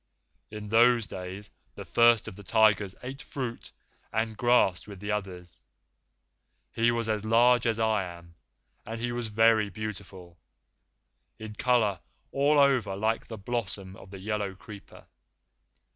In those days the First of the Tigers ate fruit and grass with the others. He was as large as I am, and he was very beautiful, in colour all over like the blossom of the yellow creeper.